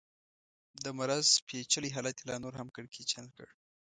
د مرض پېچلی حالت یې لا نور هم کړکېچن کړ.